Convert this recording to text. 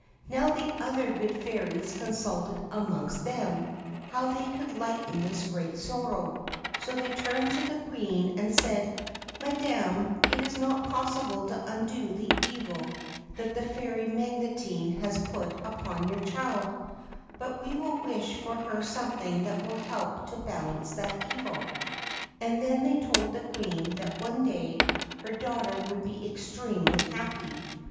Now the other good fairies consulted amongst themselves how they could lighten this great sorrow, so they turned to the Queen and said :' Madam, it is not possible to undo the evil that the fairy Magotine has put upon your child, but we will wish for her something that will help to balance that evil.' And then they told the Queen that one day her daughter would be extremely happy.